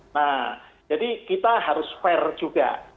nah jadi kita harus fair juga